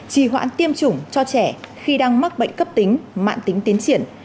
trì hoãn tiêm chủng cho trẻ khi đang mắc bệnh cấp tính mạng tính tiến triển